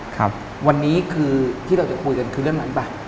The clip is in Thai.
ครับวันนี้คือที่เราจะคุยกันคือเรื่องนั้นป่ะ